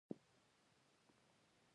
ازادي راډیو د کډوال ته پام اړولی.